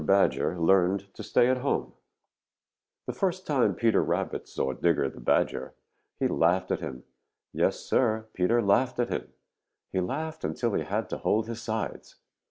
BADGER LEARNED TO STAY AT HOME |THE first time Peter Rabbit saw Digger the Badger, he laughed at him. Yes, Sir, Peter laughed at him. He laughed until he had to hold his sides.